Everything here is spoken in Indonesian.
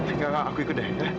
enggak enggak aku ikut deh